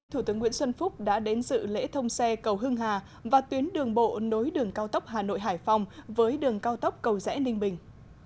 thủ tướng nguyễn xuân phúc đã đến dự lễ thông xe cầu hưng hà và tuyến đường bộ nối đường cao tốc hà nội hải phòng với đường cao tốc cầu rẽ ninh bình